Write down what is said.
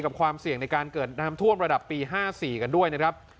ความเสี่ยงในการเกิดน้ำท่วมระดับปี๕๔กันด้วยนะครับ